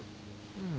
うん。